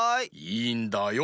いいんだよ。